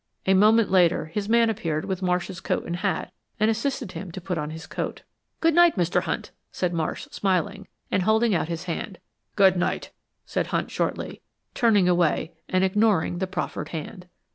A moment later his man appeared with Marsh's coat and hat and assisted him to put on his coat. "Good night, Mr. Hunt," said Marsh, smiling, and holding out his hand. "Good night," said Hunt, shortly, turning away and ignoring the proffered hand.